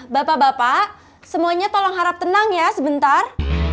bapak bapak semuanya tolong harap tenang ya sebentar